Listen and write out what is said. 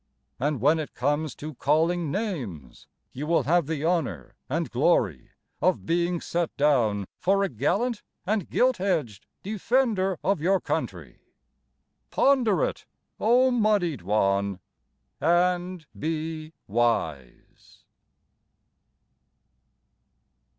And when it comes to calling names, You will have the honour and glory Of being set down for a gallant and gilt edged Defender of your country, Ponder it, O Muddied One, And be wise.